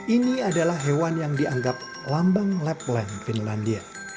ini adalah hewan yang dianggap lambang lapland finlandia